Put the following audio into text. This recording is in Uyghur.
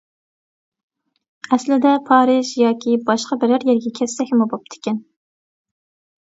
ئەسلىدە پارىژ ياكى باشقا بىرەر يەرگە كەتسەكمۇ بوپتىكەن.